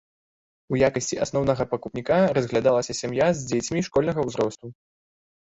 У якасці асноўнага пакупніка разглядалася сям'я з дзецьмі школьнага ўзросту.